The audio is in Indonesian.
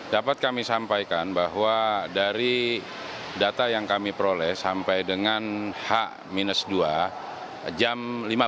dapat kami sampaikan bahwa dari data yang kami peroleh sampai dengan h dua jam lima belas